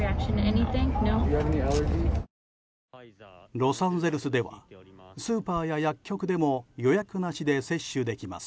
ロサンゼルスではスーパーや薬局でも予約なしで接種できます。